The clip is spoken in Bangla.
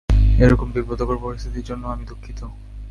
এরকম বিব্রতকর পরিস্থিতির জন্য আমি দুঃখিত!